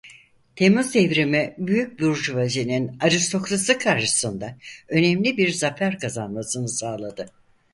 Temmuz Devrimi büyük burjuvazinin aristokrasi karşısında önemli bir zafer kazanmasını sağladı.